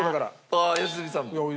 ああ良純さんも。